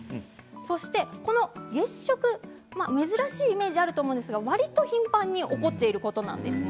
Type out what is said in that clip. そしてこの月食珍しいイメージがあると思いますが、わりと頻繁に起こっていることなんです。